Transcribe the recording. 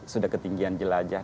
sudah ketinggian jelajah